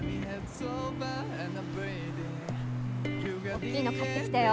おっきいの買ってきたよ。